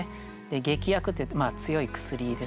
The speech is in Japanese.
「劇薬」っていうと強い薬ですね毒。